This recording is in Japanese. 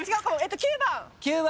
９番。